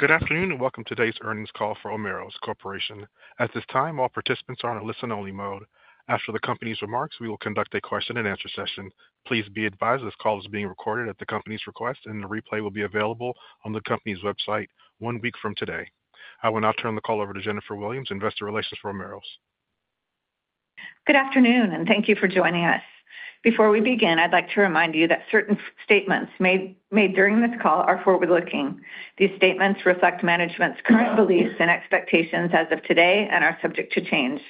Good afternoon and welcome to today's earnings call for Omeros Corporation. At this time, all participants are in a listen-only mode. After the company's remarks, we will conduct a question-and-answer session. Please be advised this call is being recorded at the company's request, and the replay will be available on the company's website one week from today. I will now turn the call over to Jennifer Williams, Investor Relations for Omeros. Good afternoon and thank you for joining us. Before we begin, I'd like to remind you that certain statements made during this call are forward-looking. These statements reflect management's current beliefs and expectations as of today and are subject to change.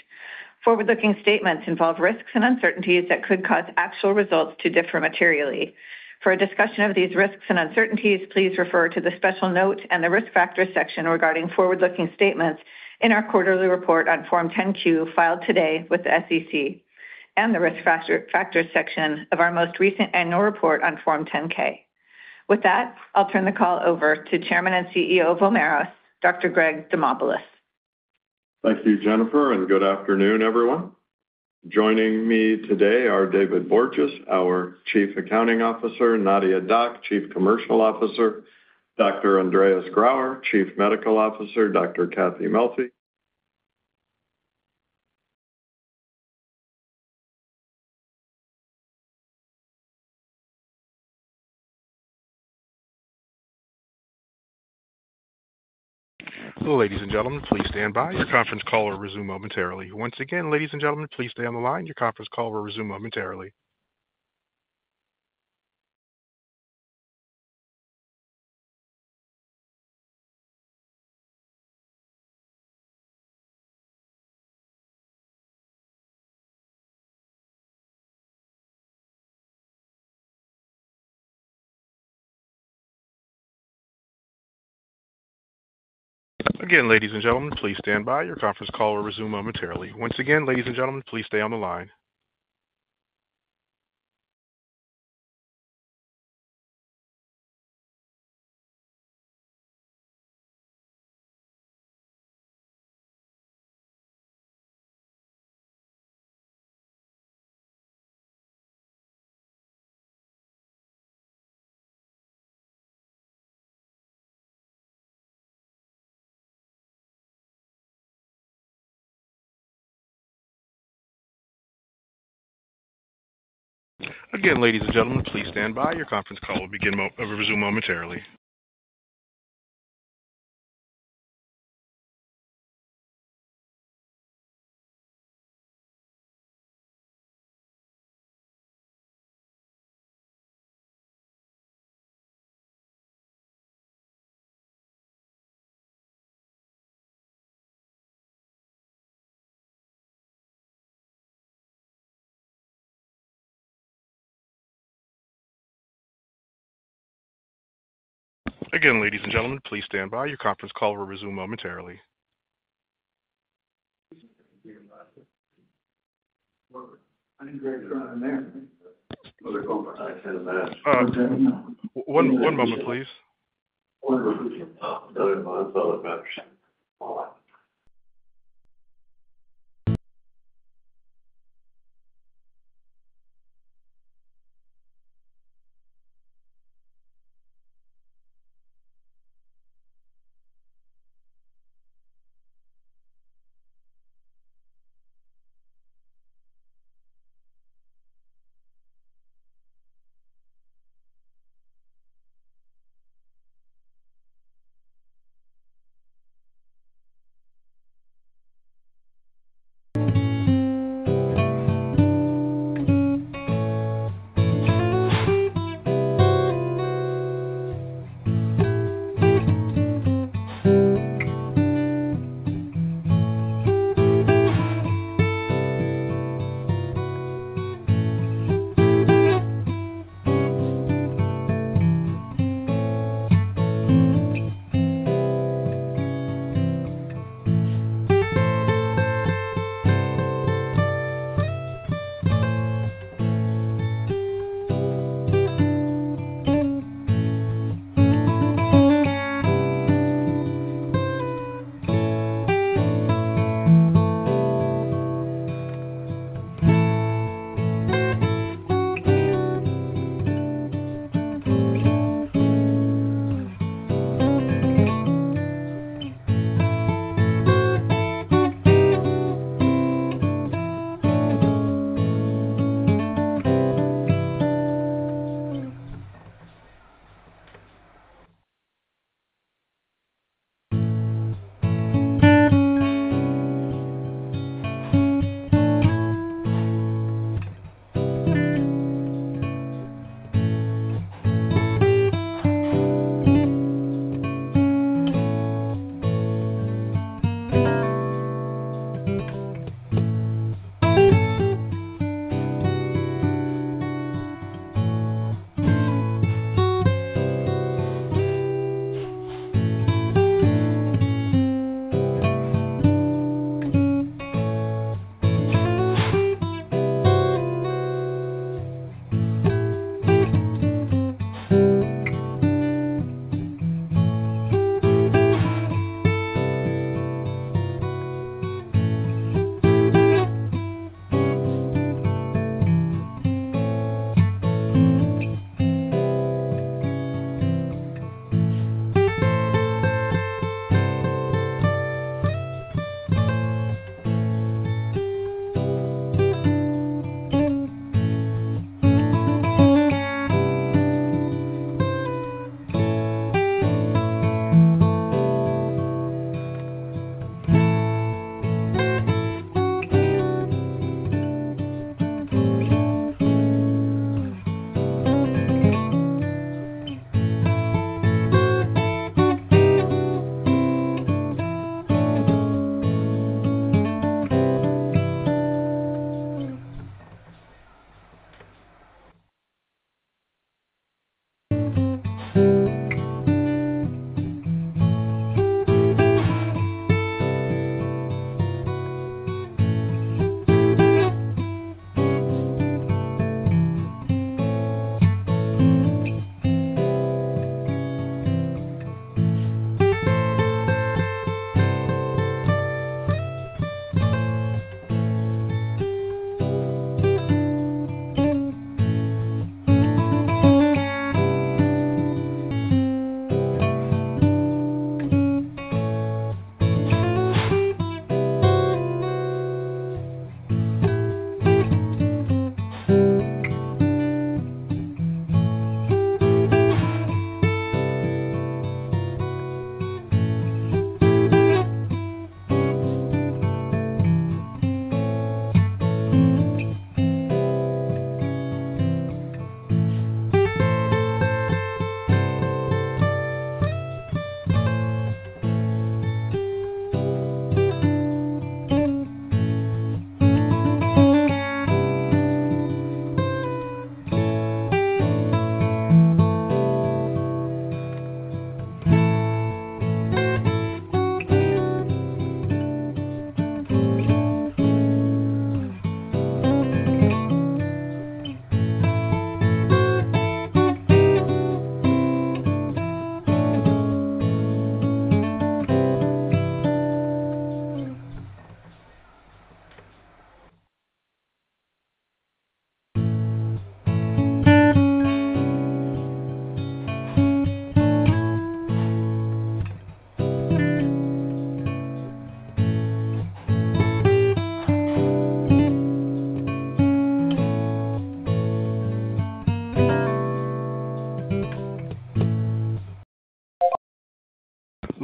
Forward-looking statements involve risks and uncertainties that could cause actual results to differ materially. For a discussion of these risks and uncertainties, please refer to the special note and the risk factors section regarding forward-looking statements in our quarterly report on Form 10-Q filed today with the SEC and the risk factors section of our most recent annual report on Form 10-K. With that, I'll turn the call over to Chairman and CEO of Omeros, Dr. Greg Demopulos. Thank you, Jennifer, and good afternoon, everyone. Joining me today are David Borges, our Chief Accounting Officer, Nadia Dac, Chief Commercial Officer, Dr. Andreas Grauer, Chief Medical Officer, and Dr. Cathy Melfi. Hello, ladies and gentlemen. Please stand by. Your conference call will resume momentarily. Once again, ladies and gentlemen, please stay on the line. Your conference call will resume momentarily. Again, ladies and gentlemen, please stand by. Your conference call will resume momentarily. Once again, ladies and gentlemen, please stay on the line. Again, ladies and gentlemen, please stand by. Your conference call will resume momentarily. Again, ladies and gentlemen, please stand by. Your conference call will resume momentarily. One moment.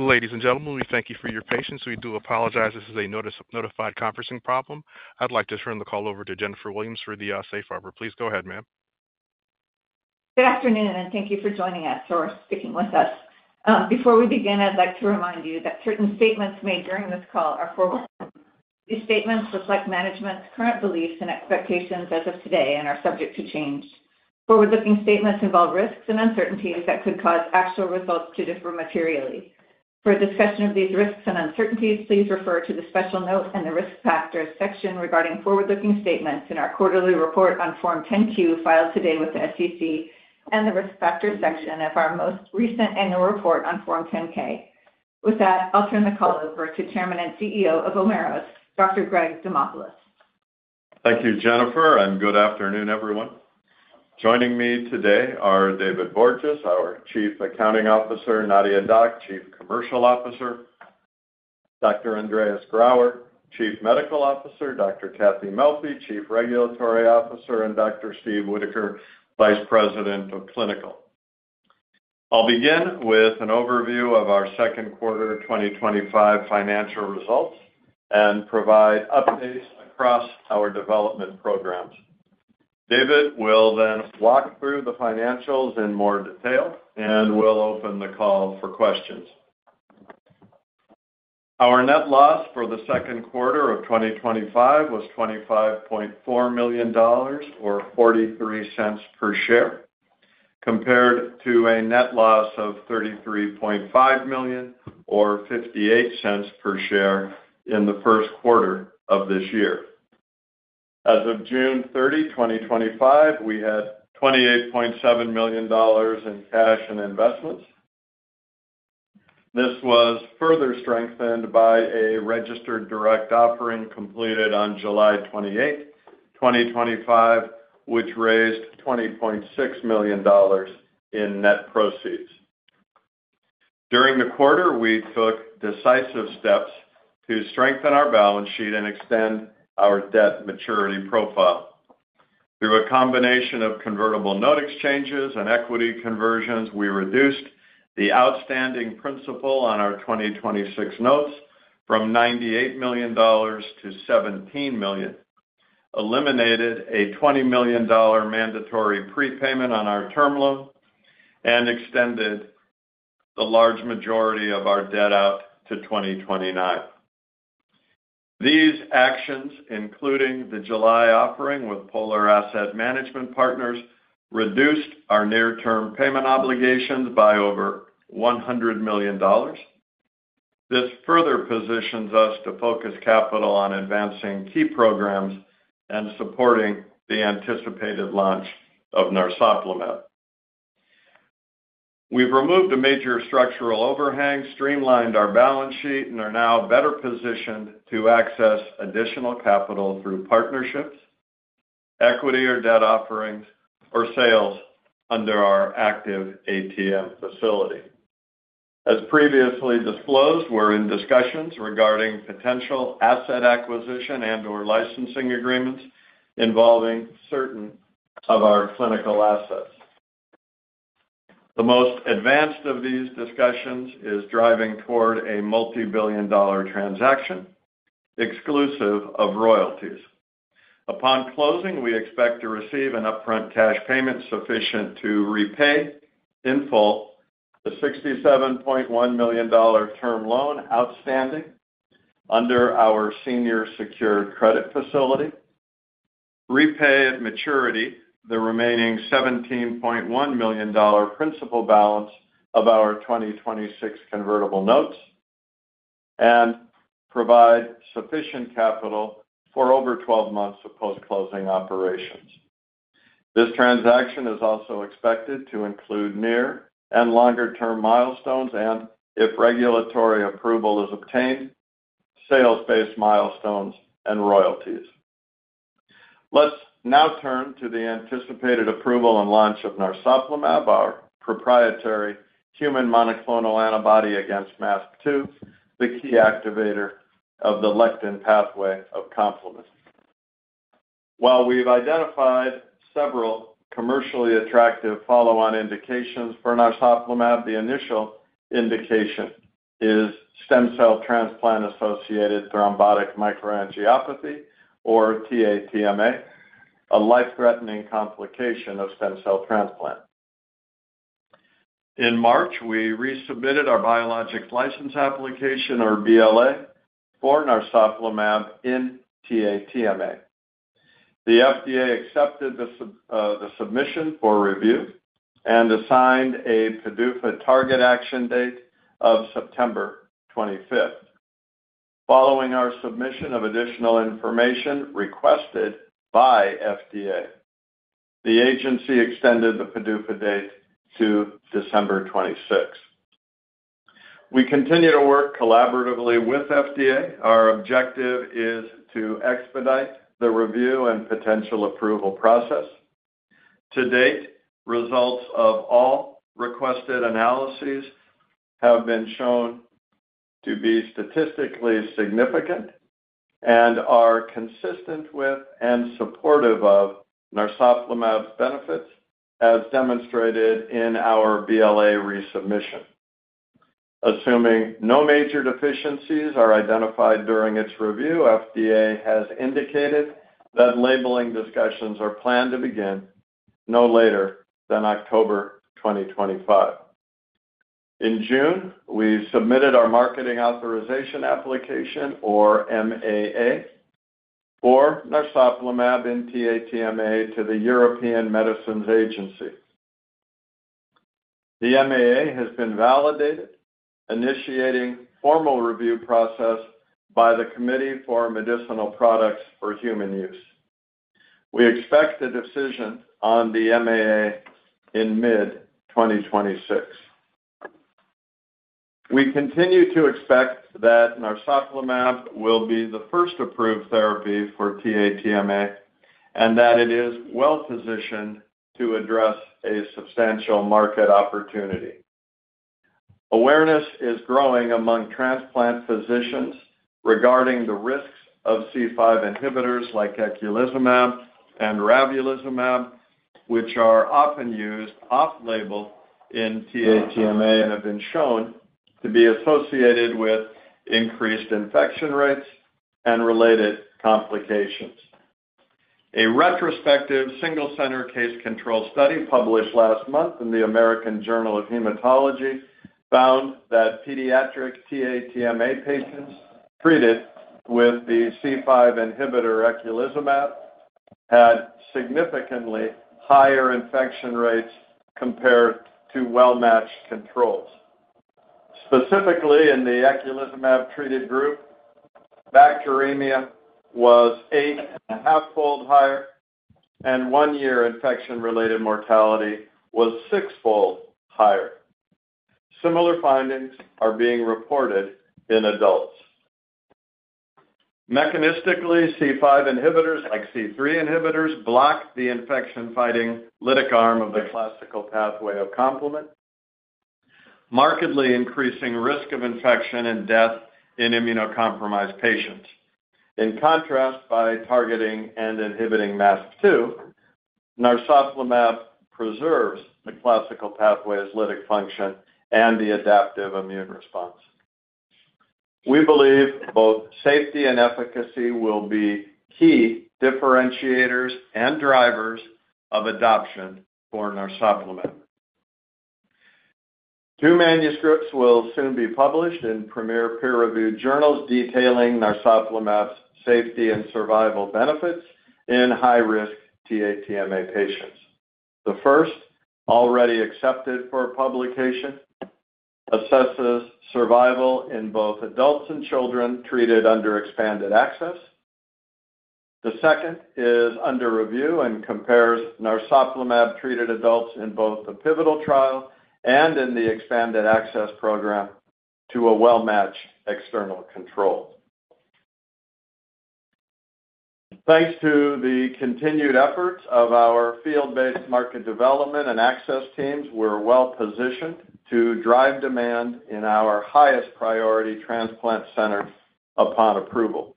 Ladies and gentlemen, we thank you for your patience. We do apologize. This is a notified conferencing problem. I'd like to turn the call over to Jennifer Williams for the safe harbor. Please go ahead, ma'am. Good afternoon, and thank you for joining us or speaking with us. Before we begin, I'd like to remind you that certain statements made during this call are forward-looking. These statements reflect management's current beliefs and expectations as of today and are subject to change. Forward-looking statements involve risks and uncertainties that could cause actual results to differ materially. For a discussion of these risks and uncertainties, please refer to the special note and the risk factors section regarding forward-looking statements in our quarterly report on Form 10-Q filed today with the SEC and the risk factors section of our most recent annual report on Form 10-K. With that, I'll turn the call over to Chairman and CEO of Omeros, Dr. Greg Demopulos. Thank you, Jennifer, and good afternoon, everyone. Joining me today are David Borges, our Chief Accounting Officer; Nadia Dac, Chief Commercial Officer; Dr. Andreas Grauer, Chief Medical Officer; Dr. Cathy Melfi, Chief Regulatory Officer; and Dr. Steve Whitaker, Vice President of Clinical. I'll begin with an overview of our second quarter 2025 financial results and provide updates across our development programs. David will then walk through the financials in more detail and will open the call for questions. Our net loss for the second quarter of 2025 was $25.4 million or $0.43 per share, compared to a net loss of $33.5 million or $0.58 per share in the first quarter of this year. As of June 30, 2025, we had $28.7 million in cash and investments. This was further strengthened by a registered direct offering completed on July 28, 2025, which raised $20.6 million in net proceeds. During the quarter, we took decisive steps to strengthen our balance sheet and extend our debt maturity profile. Through a combination of convertible note exchanges and equity conversions, we reduced the outstanding principal on our 2026 notes from $98 million to $17 million, eliminated a $20 million mandatory prepayment on our term loan, and extended the large majority of our debt out to 2029. These actions, including the July offering with Polar Asset Management Partners, reduced our near-term payment obligations by over $100 million. This further positions us to focus capital on advancing key programs and supporting the anticipated launch of narsoplimab. We've removed a major structural overhang, streamlined our balance sheet, and are now better positioned to access additional capital through partnerships, equity, or debt offerings, or sales under our active ATF facility. As previously disclosed, we're in discussions regarding potential asset acquisition and/or licensing agreements involving certain of our clinical assets. The most advanced of these discussions is driving toward a multi-billion dollar transaction exclusive of royalties. Upon closing, we expect to receive an upfront cash payment sufficient to repay, in full, the $67.1 million term loan outstanding under our senior secured credit facility, repay at maturity the remaining $17.1 million principal balance of our 2026 convertible notes, and provide sufficient capital for over 12 months of post-closing operations. This transaction is also expected to include near and longer term milestones and, if regulatory approval is obtained, sales-based milestones and royalties. Let's now turn to the anticipated approval and launch of narsoplimab, our proprietary human monoclonal antibody against MASP-2, the key activator of the lectin pathway of complements. While we've identified several commercially attractive follow-on indications for narsoplimab, the initial indication is stem cell transplant-associated thrombotic microangiopathy, or TA-TMA, a life-threatening complication of stem cell transplant. In March, we resubmitted our Biologics License Application, or BLA, for narsoplimab in TA-TMA. The FDA accepted the submission for review and assigned a PDUFA target action date of September 25th. Following our submission of additional information requested by FDA, the agency extended the PDUFA date to December 26th. We continue to work collaboratively with FDA. Our objective is to expedite the review and potential approval process. To date, results of all requested analyses have been shown to be statistically significant and are consistent with and supportive of narsoplimab's benefits, as demonstrated in our BLA resubmission. Assuming no major deficiencies are identified during its review, FDA has indicated that labeling discussions are planned to begin no later than October 2025. In June, we submitted our Marketing Authorization Application, or MAA, for narsoplimab in TA-TMA to the European Medicines Agency. The MAA has been validated, initiating a formal review process by the Committee for Medicinal Products for Human Use. We expect a decision on the MAA in mid-2026. We continue to expect that narsoplimab will be the first approved therapy for TA-TMA and that it is well-positioned to address a substantial market opportunity. Awareness is growing among transplant physicians regarding the risks of C5 inhibitors like eculizumab and ravulizumab, which are often used off-label in TA-TMA and have been shown to be associated with increased infection rates and related complications. A retrospective single-center case control study published last month in the American Journal of Hematology found that pediatric TA-TMA patients treated with the C5 inhibitor eculizumab had significantly higher infection rates compared to well-matched controls. Specifically, in the eculizumab-treated group, bacteremia was 8.5 fold higher, and one-year infection-related mortality was six-fold higher. Similar findings are being reported in adults. Mechanistically, C5 inhibitors like C3 inhibitors block the infection-fighting lytic arm of the classical pathway of complement, markedly increasing the risk of infection and death in immunocompromised patients. In contrast, by targeting and inhibiting MASP-2, narsoplimab preserves the classical pathway's lytic function and the adaptive immune response. We believe both safety and efficacy will be key differentiators and drivers of adoption for narsoplimab. Two manuscripts will soon be published in premier peer-reviewed journals detailing narsoplimab's safety and survival benefits in high-risk TA-TMA patients. The first, already accepted for publication, assesses survival in both adults and children treated under expanded access. The second is under review and compares narsoplimab-treated adults in both the pivotal trial and in the expanded access program to a well-matched external control. Thanks to the continued efforts of our field-based market development and access teams, we're well-positioned to drive demand in our highest priority transplant centers upon approval.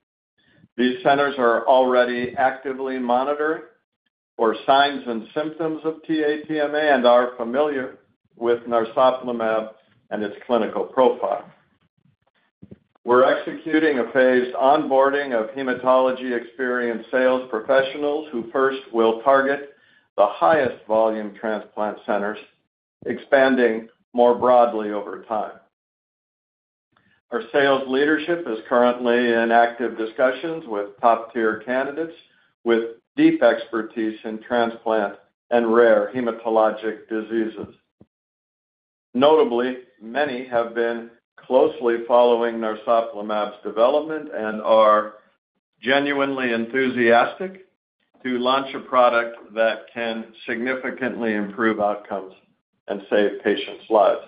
These centers are already actively monitoring for signs and symptoms of TA-TMA and are familiar with narsoplimab and its clinical profile. We're executing a phased onboarding of hematology experienced sales professionals who first will target the highest volume transplant centers, expanding more broadly over time. Our sales leadership is currently in active discussions with top-tier candidates with deep expertise in transplant and rare hematologic diseases. Notably, many have been closely following narsoplimab's development and are genuinely enthusiastic to launch a product that can significantly improve outcomes and save patients' lives.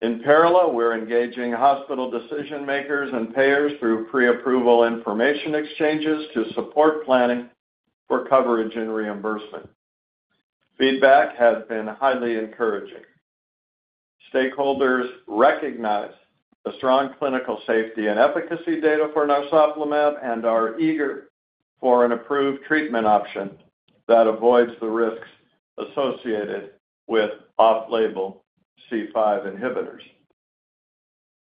In parallel, we're engaging hospital decision-makers and payers through pre-approval information exchanges to support planning for coverage and reimbursement. Feedback has been highly encouraging. Stakeholders recognize the strong clinical safety and efficacy data for narsoplimab and are eager for an approved treatment option that avoids the risks associated with off-label C5 inhibitors.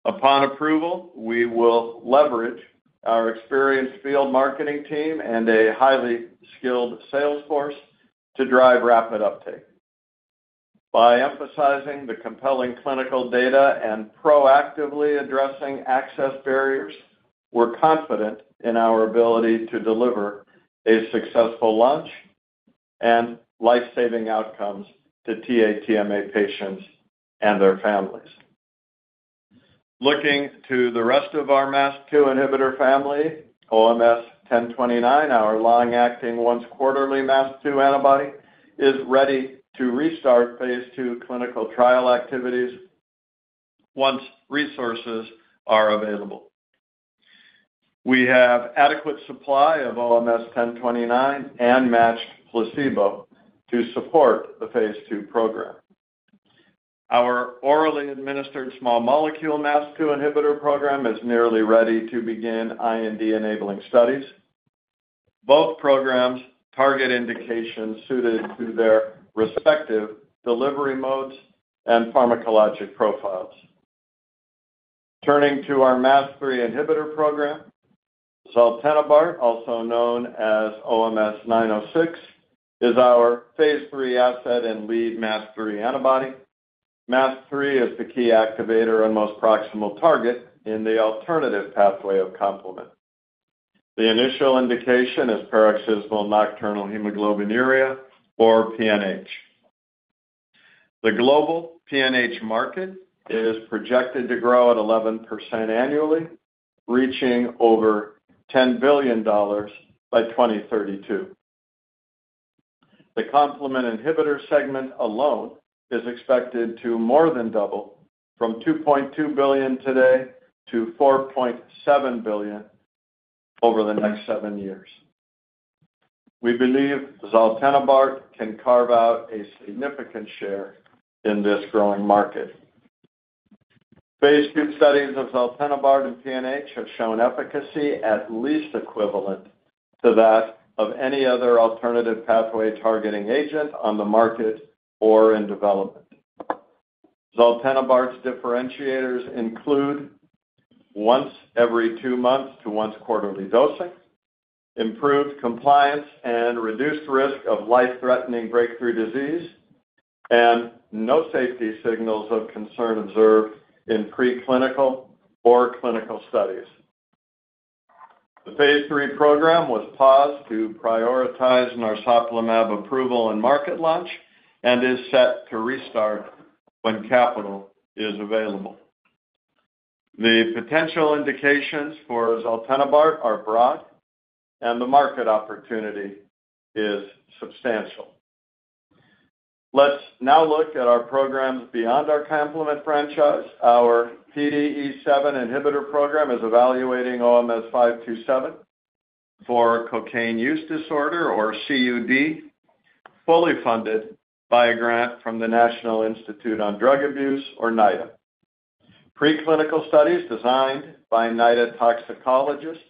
Upon approval, we will leverage our experienced field marketing team and a highly skilled sales force to drive rapid uptake. By emphasizing the compelling clinical data and proactively addressing access barriers, we're confident in our ability to deliver a successful launch and life-saving outcomes to TA-TMA patients and their families. Looking to the rest of our MASP-2 inhibitor family, OMS1029, our long-acting once-quarterly MASP-2 antibody, is ready to restart phase II clinical trial activities once resources are available. We have adequate supply of OMS1029 and matched placebo to support the phase II program. Our orally administered small molecule MASP-2 inhibitor program is nearly ready to begin IND-enabling studies. Both programs target indications suited to their respective delivery modes and pharmacologic profiles. Turning to our MASP-3 inhibitor program, zaltenibart, also known as OMS906, is our phase III asset and lead MASP-3 antibody. MASP-3 is the key activator and most proximal target in the alternative pathway of complement. The initial indication is paroxysmal nocturnal hemoglobinuria or PNH. The global PNH market is projected to grow at 11% annually, reaching over $10 billion by 2032. The complement inhibitor segment alone is expected to more than double, from $2.2 billion today to $4.7 billion over the next seven years. We believe zaltenibart can carve out a significant share in this growing market. Phase group studies of zaltenibart in PNH have shown efficacy at least equivalent to that of any other alternative pathway targeting agent on the market or in development. Zaltenibart's differentiators include once every two months to once-quarterly dosing, improved compliance, reduced risk of life-threatening breakthrough disease, and no safety signals of concern observed in preclinical or clinical studies. The phase III program was paused to prioritize narsoplimab approval and market launch and is set to restart when capital is available. The potential indications for zaltenibart are broad, and the market opportunity is substantial. Let's now look at our programs beyond our complement franchise. Our PDE7 inhibitor program is evaluating OMS527 for cocaine use disorder, or CUD, fully funded by a grant from the National Institute on Drug Abuse, or NIDA. Preclinical studies designed by NIDA toxicologists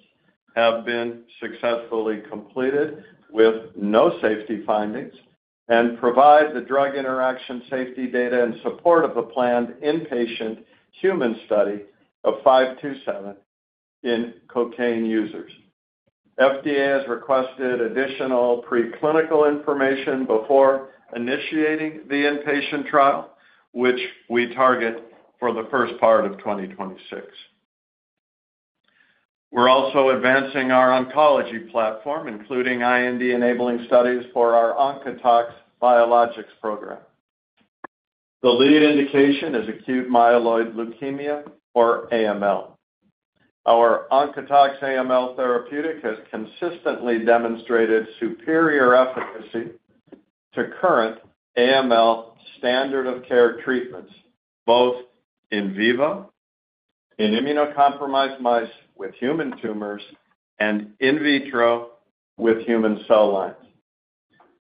have been successfully completed with no safety findings and provide the drug interaction safety data in support of the planned inpatient human study of 527 in cocaine users. FDA has requested additional preclinical information before initiating the inpatient trial, which we target for the first part of 2026. We're also advancing our oncology platform, including IND-enabling studies for our OncotoX biologics program. The lead indication is acute myeloid leukemia, or AML. Our OncotoX-AML therapeutic has consistently demonstrated superior efficacy to current AML standard-of-care treatments, both in vivo, in immunocompromised mice with human tumors, and in vitro with human cell lines.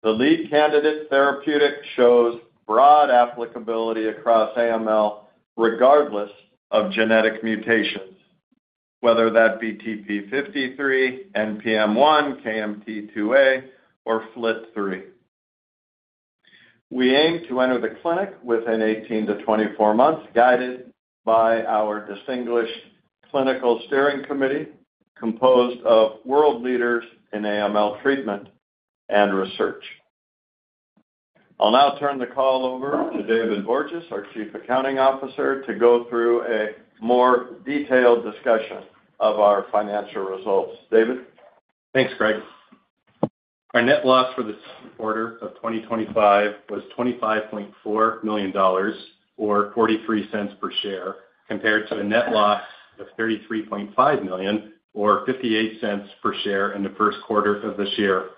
The lead candidate therapeutic shows broad applicability across AML, regardless of genetic mutations, whether that be TP53, NPM1, KMT2A, or FLT3. We aim to enter the clinic within 18-24 months, guided by our distinguished clinical steering committee composed of world leaders in AML treatment and research. I'll now turn the call over to David Borges, our Chief Accounting Officer, to go through a more detailed discussion of our financial results. David? Thanks, Greg. Our net loss for the quarter of 2025 was $25.4 million, or $0.43 per share, compared to a net loss of $33.5 million, or $0.58 per share in the first quarter of this year.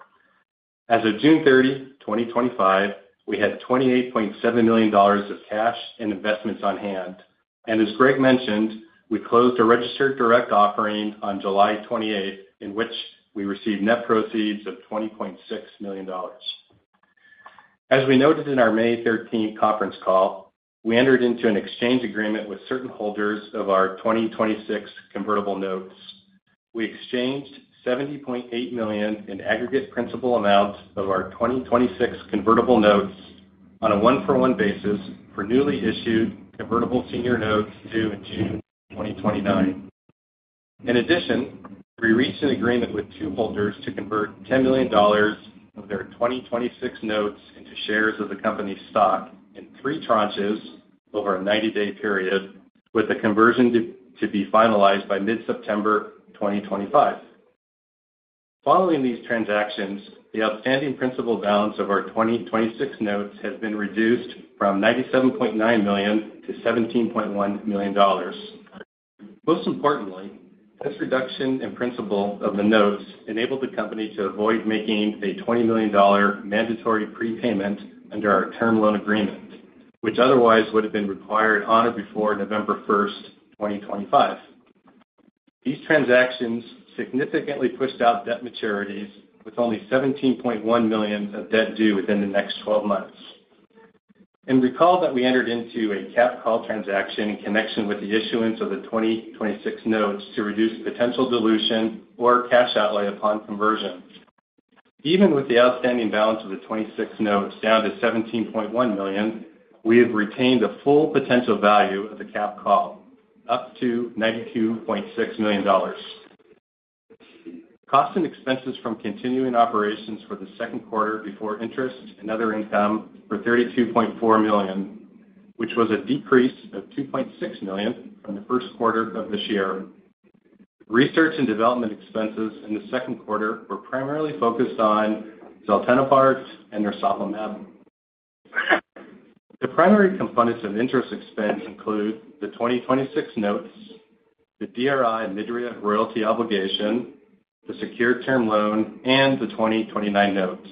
As of June 30, 2025, we had $28.7 million of cash and investments on hand. As Greg mentioned, we closed a registered direct offering on July 28, in which we received net proceeds of $20.6 million. As we noted in our May 13 conference call, we entered into an exchange agreement with certain holders of our 2026 convertible notes. We exchanged $70.8 million in aggregate principal amounts of our 2026 convertible notes on a one-for-one basis for newly issued convertible senior notes due in June 2029. In addition, we reached an agreement with two holders to convert $10 million of their 2026 notes into shares of the company's stock in three tranches over a 90-day period, with the conversion to be finalized by mid-September 2025. Following these transactions, the outstanding principal balance of our 2026 notes has been reduced from $97.9 million to $17.1 million. Most importantly, this reduction in principal of the notes enabled the company to avoid making a $20 million mandatory prepayment under our term loan agreement, which otherwise would have been required on or before November 1, 2025. These transactions siGnificantly pushed out debt maturities, with only $17.1 million of debt due within the next 12 months. Recall that we entered into a cap call transaction in connection with the issuance of the 2026 notes to reduce potential dilution or cash outlay upon conversion. Even with the outstanding balance of the 2026 notes down to $17.1 million, we have retained the full potential value of the cap call, up to $92.6 million. Costs and expenses from continuing operations for the second quarter before interest and other income were $32.4 million, which was a decrease of $2.6 million from the first quarter of this year. Research and development expenses in the second quarter were primarily focused on zaltenibart and narsoplimab. The primary components of interest expense include the 2026 notes, the DRI OMIDRIA royalty obligation, the secured term loan, and the 2029 notes.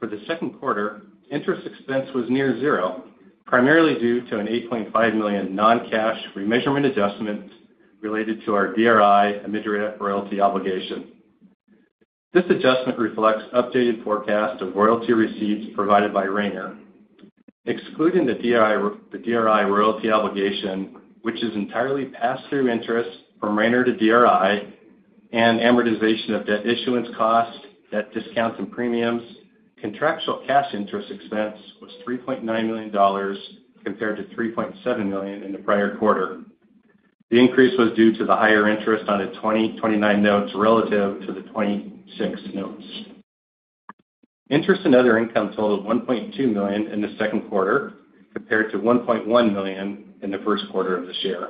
For the second quarter, interest expense was near zero, primarily due to an $8.5 million non-cash remeasurement adjustment related to our DRI OMIDRIA royalty obligation. This adjustment reflects updated forecast of royalty receipts provided by Rayner, excluding the DRI royalty obligation, which is entirely pass-through interest from Rayner to DRI, and amortization of debt issuance costs, debt discounts, and premiums. Contractual cash interest expense was $3.9 million compared to $3.7 million in the prior quarter. The increase was due to the higher interest on the 2029 notes relative to the 2026 notes. Interest and other income totaled $1.2 million in the second quarter, compared to $1.1 million in the first quarter of the year.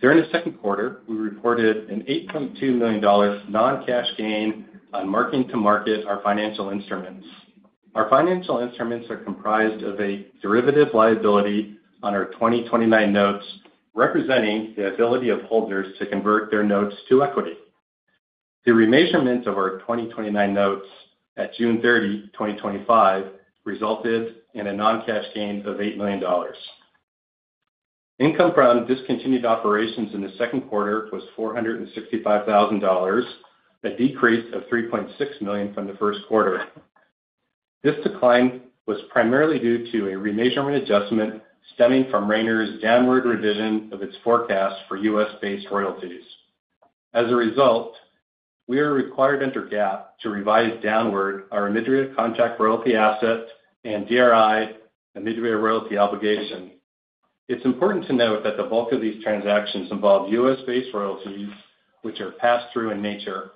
During the second quarter, we reported an $8.2 million non-cash gain on marking to market our financial instruments. Our financial instruments are comprised of a derivative liability on our 2029 notes, representing the ability of holders to convert their notes to equity. The remeasurement of our 2029 notes at June 30, 2025, resulted in a non-cash gain of $8 million. Income from discontinued operations in the second quarter was $465,000, a decrease of $3.6 million from the first quarter. This decline was primarily due to a remeasurement adjustment stemming from Rayner's downward revision of its forecast for U.S.-based royalties. As a result, we are required to enter GAAP to revise downward our OMIDRIA contract royalty asset and DRI OMIDRIA royalty obligation. It's important to note that the bulk of these transactions involve U.S.-based royalties, which are pass-through in nature.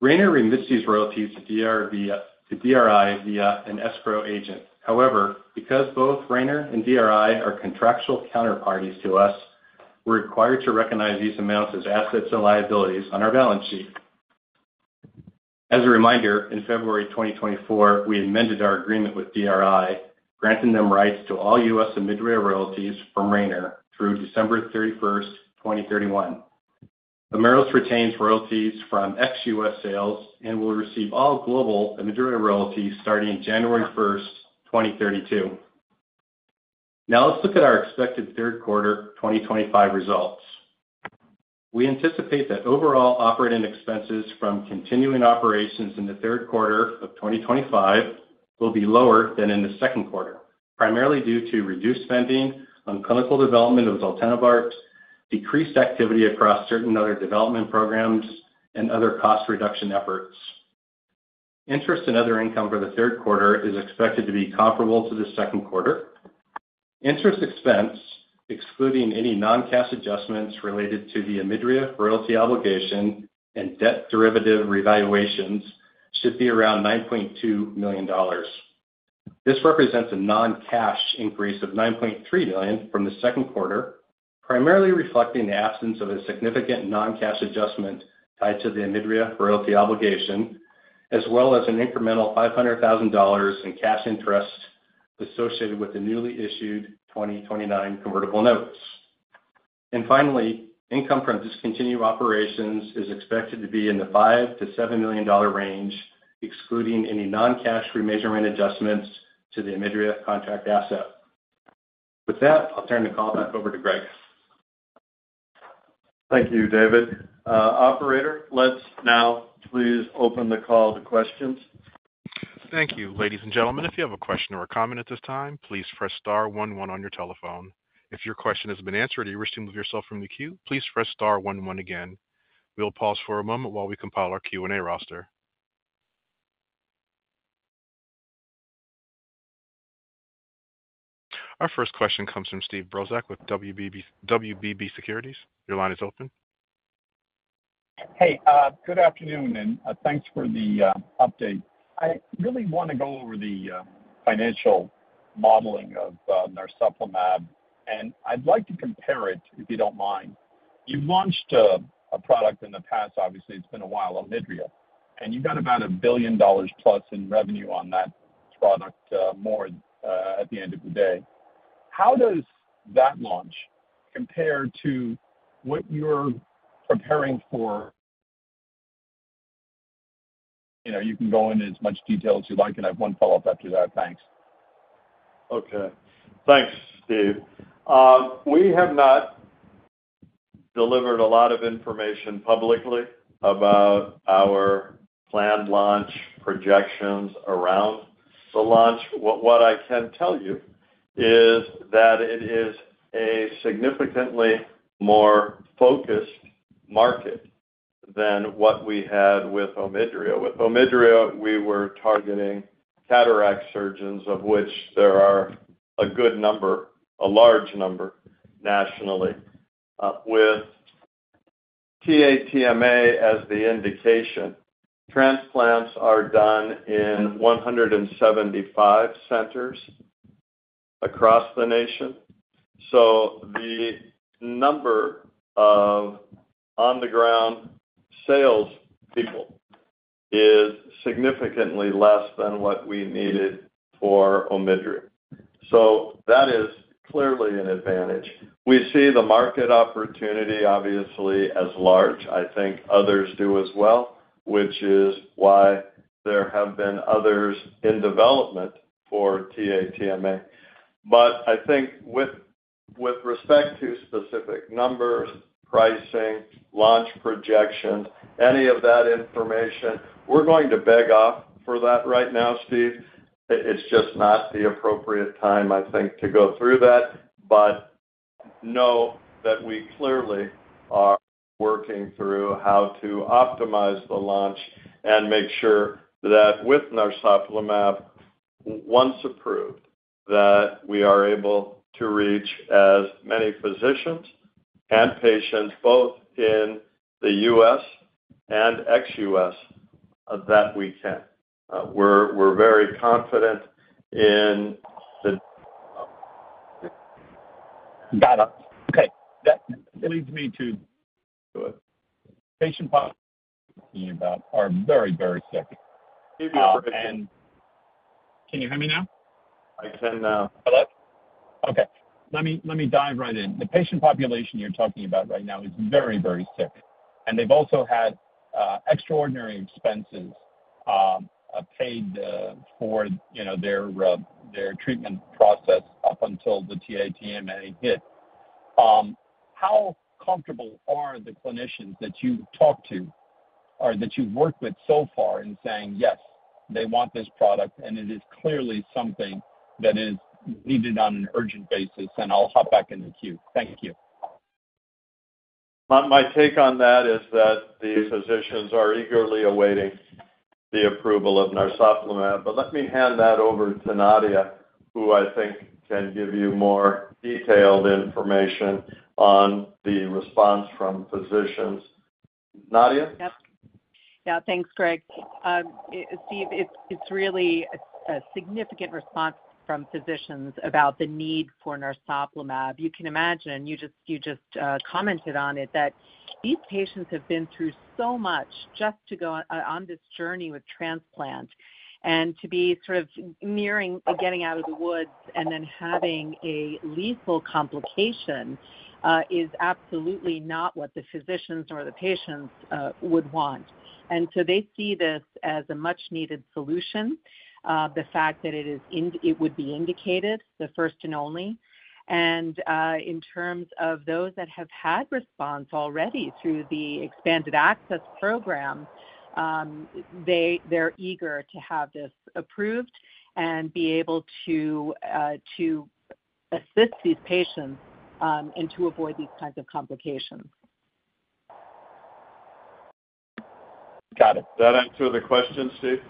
Rayner remits these royalties to DRI via an escrow agent. However, because both Rayner and DRI are contractual counterparties to us, we're required to recognize these amounts as assets and liabilities on our balance sheet. As a reminder, in February 2024, we amended our agreement with DRI, granting them rights to all U.S. and OMIDRIA royalties from Rayner through December 31, 2031. Omeros retains royalties from ex-U.S. sales and will receive all global and OMIDRIA royalties starting January 1, 2032. Now let's look at our expected third quarter 2025 results. We anticipate that overall operating expenses from continuing operations in the third quarter of 2025 will be lower than in the second quarter, primarily due to reduced spending on clinical development of zaltenibart, decreased activity across certain other development programs, and other cost reduction efforts. Interest and other income for the third quarter is expected to be comparable to the second quarter. Interest expense, excluding any non-cash adjustments related to the OMIDRIA royalty obligation and debt derivative revaluations, should be around $9.2 million. This represents a non-cash increase of $9.3 million from the second quarter, primarily reflecting the absence of a significant non-cash adjustment tied to the OMIDRIA royalty obligation, as well as an incremental $500,000 in cash interest associated with the newly issued 2029 convertible notes. Finally, income from discontinued operations is expected to be in the $5 million-$7 million range, excluding any non-cash remeasurement adjustments to the OMIDRIA contract asset. With that, I'll turn the call back over to Greg. Thank you, David. Operator, let's now please open the call to questions. Thank you, ladies and gentlemen. If you have a question or a comment at this time, please press star one one on your telephone. If your question has been answered and you wish to move yourself from the queue, please press star one one again. We'll pause for a moment while we compile our Q&A roster. Our first question comes from Steve Brozak with WBB Securities. Your line is open. Hey, good afternoon, and thanks for the update. I really want to go over the financial modeling of narsoplimab, and I'd like to compare it, if you don't mind. You've launched a product in the past, obviously it's been a while on OMIDRIA, and you've got about $1+ billion in revenue on that product, more at the end of the day. How does that launch compare to what you're preparing for? You know, you can go in as much detail as you like, and I have one follow-up after that. Thanks. Okay. Thanks, Steve. We have not delivered a lot of information publicly about our planned launch projections around the launch. What I can tell you is that it is a significantly more focused market than what we had with OMIDRIA. With OMIDRIA, we were targeting cataract surgeons, of which there are a good number, a large number nationally. With TA-TMA as the indication, transplants are done in 175 centers across the nation. The number of on-the-ground salespeople is significantly less than what we needed for OMIDRIA. That is clearly an advantage. We see the market opportunity, obviously, as large. I think others do as well, which is why there have been others in development for TA-TMA. I think with respect to specific numbers, pricing, launch projections, any of that information, we're going to beg off for that right now, Steve. It's just not the appropriate time, I think, to go through that. Know that we clearly are working through how to optimize the launch and make sure that with narsoplimab, once approved, we are able to reach as many physicians and patients, both in the U.S. and ex-U.S., that we can. We're very confident in. Got it. Okay, that leads me to patient populations you've got are very, very sick. Keep your friction. Can you hear me now? I can now. Okay. Let me dive right in. The patient population you're talking about right now is very, very sick. They've also had extraordinary expenses paid for their treatment process up until the TA-TMA hit. How comfortable are the clinicians that you've talked to or that you've worked with so far in saying, "Yes, they want this product, and it is clearly something that is needed on an urgent basis, and I'll hop back in the queue"? Thank you. My take on that is that the physicians are eagerly awaiting the approval of narsoplimab. Let me hand that over to Nadia, who I think can give you more detailed information on the response from physicians. Nadia? Yeah. Thanks, Greg. Steve, it's really a significant response from physicians about the need for narsoplimab. You can imagine, you just commented on it, that these patients have been through so much just to go on this journey with transplant. To be sort of nearing getting out of the woods and then having a lethal complication is absolutely not what the physicians nor the patients would want. They see this as a much-needed solution, the fact that it would be indicated, the first and only. In terms of those that have had response already through the expanded access program, they're eager to have this approved and be able to assist these patients and to avoid these kinds of complications. That answer the question, Steve?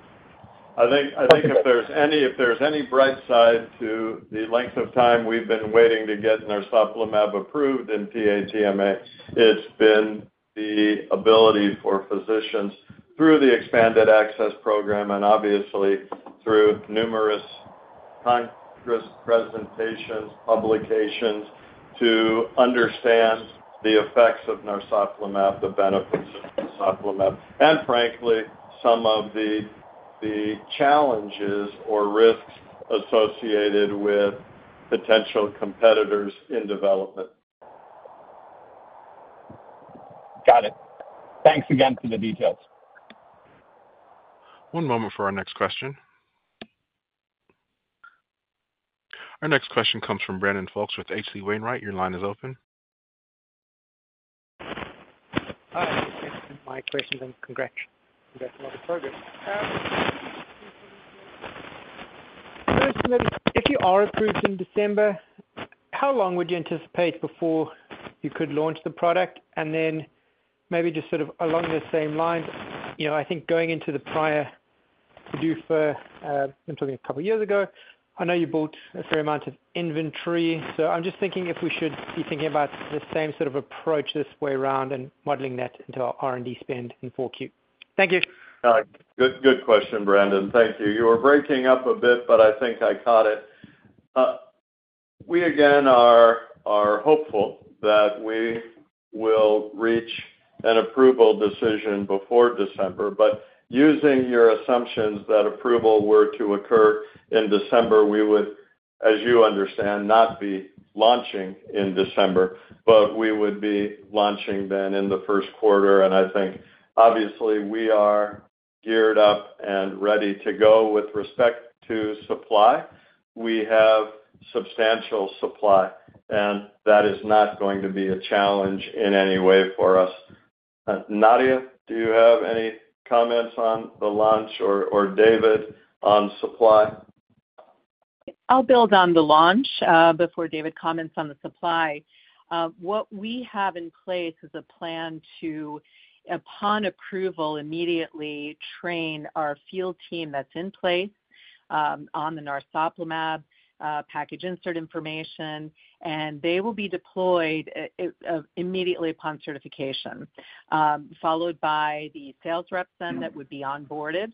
I think if there's any bright side to the length of time we've been waiting to get narsoplimab approved in TA-TMA, it's been the ability for physicians through the expanded access program and obviously through numerous conference presentations, publications to understand the effects of narsoplimab, the benefits of narsoplimab, and frankly, some of the challenges or risks associated with potential competitors in development. Got it. Thanks again for the details. One moment for our next question. Our next question comes from Brandon Folkes with H.C. Wainwright. Your line is open. Hi. My questions, and congratulative focus. First, maybe if you are approved in December, how long would you anticipate before you could launch the product? Maybe just sort of along the same lines, I think going into the prior PDUFA, I'm talking a couple of years ago, I know you bought a fair amount of inventory. I'm just thinking if we should be thinking about the same sort of approach this way around and modeling that into our R&D spend in 4Q. Thank you. All right. Good question, Brandon. Thank you. You were breaking up a bit, but I think I caught it. We again are hopeful that we will reach an approval decision before December. Using your assumptions that approval were to occur in December, we would, as you understand, not be launching in December, but we would be launching then in the first quarter. I think, obviously, we are geared up and ready to go with respect to supply. We have substantial supply, and that is not going to be a challenge in any way for us. Nadia, do you have any comments on the launch or David on supply? I'll build on the launch before David comments on the supply. What we have in place is a plan to, upon approval, immediately train our field team that's in place on the narsoplimab package insert information, and they will be deployed immediately upon certification, followed by the sales reps that would be onboarded.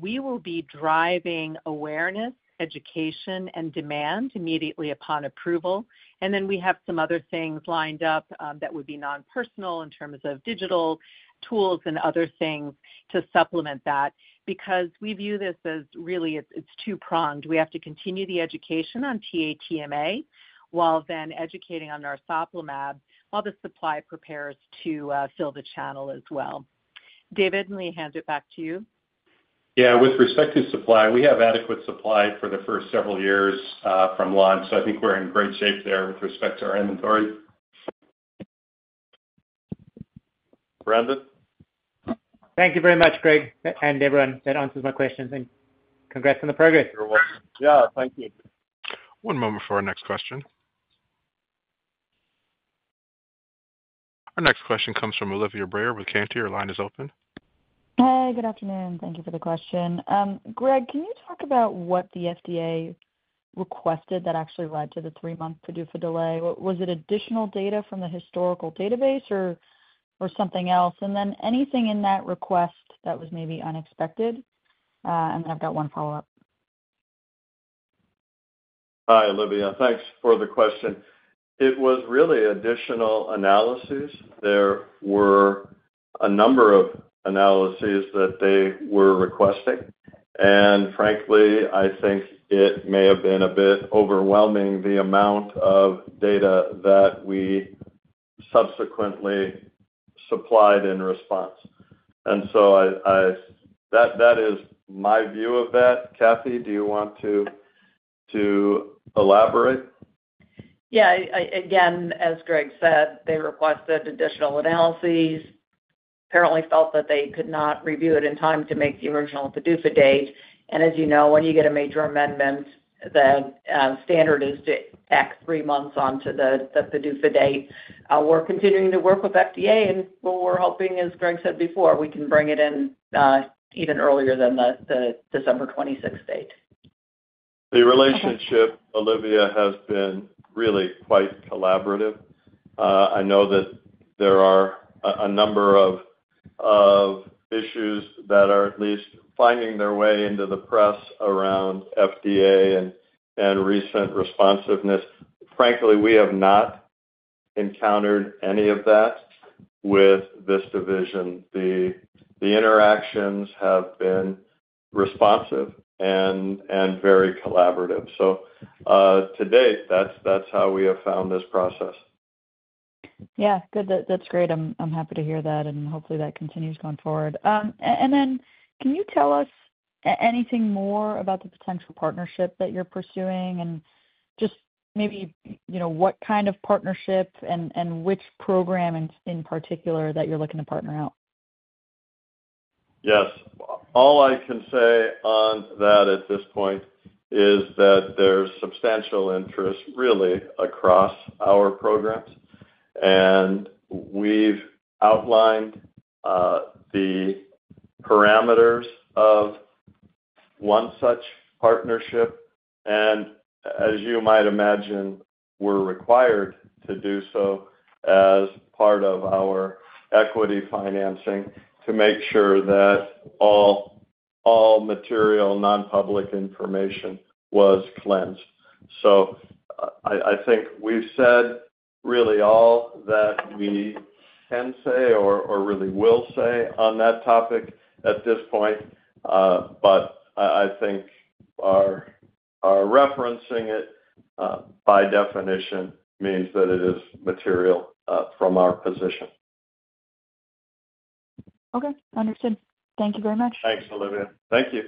We will be driving awareness, education, and demand immediately upon approval. We have some other things lined up that would be non-personal in terms of digital tools and other things to supplement that because we view this as really, it's two-pronged. We have to continue the education on TA-TMA while then educating on narsoplimab while the supply prepares to fill the channel as well. David, let me hand it back to you. Yeah. With respect to supply, we have adequate supply for the first several years from launch. I think we're in great shape there with respect to our inventory. Brandon? Thank you very much, Greg, everyone. That answers my questions. Congrats on the progress. You're welcome. One moment for our next question. Our next question comes from Olivia Brayer with Cantor. Your line is open. Hey, good afternoon. Thank you for the question. Greg, can you talk about what the FDA requested that actually led to the three-month PDUFA delay? Was it additional data from the historical database or something else? Is there anything in that request that was maybe unexpected? I have one follow-up. Hi, Olivia. Thanks for the question. It was really additional analyses. There were a number of analyses that they were requesting. Frankly, I think it may have been a bit overwhelming the amount of data that we subsequently supplied in response. That is my view of that. Cathy, do you want to elaborate? Yeah. Again, as Greg said, they requested additional analyses. Apparently, felt that they could not review it in time to make the original PDUFA date. As you know, when you get a major amendment, the standard is to add three months onto the PDUFA date. We're continuing to work with FDA, and what we're hoping, as Greg said before, we can bring it in even earlier than the December 26th date. The relationship, Olivia, has been really quite collaborative. I know that there are a number of issues that are at least finding their way into the press around FDA and recent responsiveness. Frankly, we have not encountered any of that with this division. The interactions have been responsive and very collaborative. To date, that's how we have found this process. Good. That's great. I'm happy to hear that, and hopefully, that continues going forward. Can you tell us anything more about the potential partnership that you're pursuing and just maybe, you know, what kind of partnership and which program in particular that you're looking to partner out? Yes. All I can say on that at this point is that there's substantial interest, really, across our programs. We've outlined the parameters of one such partnership, and as you might imagine, we're required to do so as part of our equity financing to make sure that all material non-public information was cleansed. I think we've said really all that we can say or really will say on that topic at this point. I think our referencing it by definition means that it is material from our position. Okay. Understood. Thank you very much. Thanks, Olivia. Thank you.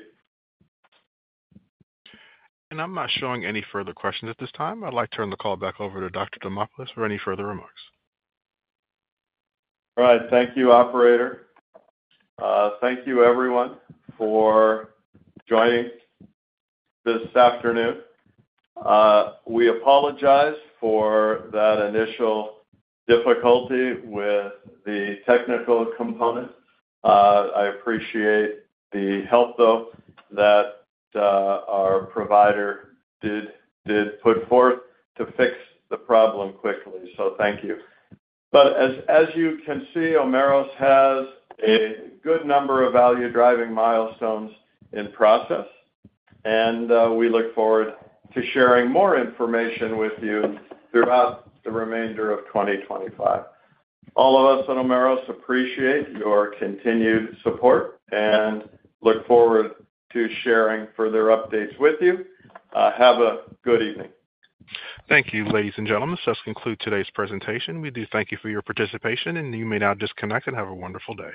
I'm not showing any further questions at this time. I'd like to turn the call back over to Dr. Demopulos for any further remarks. All right. Thank you, operator. Thank you, everyone, for joining this afternoon. We apologize for that initial difficulty with the technical component. I appreciate the help, though, that our provider did put forth to fix the problem quickly. Thank you. As you can see, Omeros has a good number of value-driving milestones in process. We look forward to sharing more information with you throughout the remainder of 2025. All of us at Omeros appreciate your continued support and look forward to sharing further updates with you. Have a good evening. Thank you, ladies and gentlemen. This does conclude today's presentation. We do thank you for your participation, and you may now disconnect and have a wonderful day.